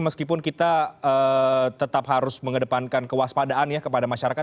meskipun kita tetap harus mengedepankan kewaspadaan ya kepada masyarakat